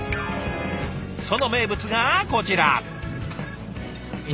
その名物がこちら。